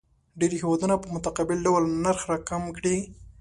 ډېری هیوادونه په متقابل ډول نرخ راکم کړي.